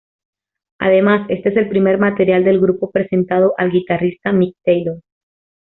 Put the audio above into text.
Además, este es el primer material del grupo presentando al guitarrista Mick Taylor.